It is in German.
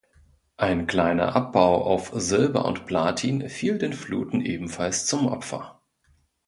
Ein kleiner Abbau auf Silber und Platin fiel den Fluten ebenfalls zum Opfer.